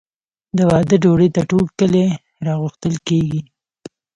د واده ډوډۍ ته ټول کلی راغوښتل کیږي.